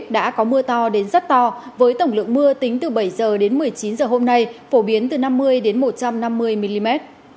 gió mưa to đến rất to với tổng lượng mưa tính từ bảy giờ đến một mươi chín giờ hôm nay phổ biến từ năm mươi đến một trăm năm mươi mm